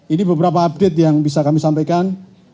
ini beberapa update yang bisa kami sampaikan